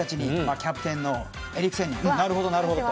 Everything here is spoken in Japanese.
キャプテンのエリクセンもなるほどと。